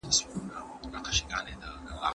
انا خپل لاسونه د پاکوالي لپاره ومینځل.